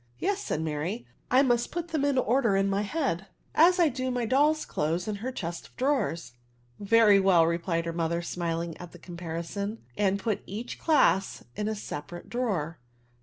" Yes," said Mary, " I must put them in order in my head, as I do my doll's clothes in her chest of drawers*" " Very well," replied her mother, smiling at the comparison, and put each class in a separate drawer."